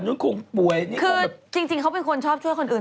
ไม่ต้องหรอกลองให้แคนกี้ไปก่ออ๊อฟ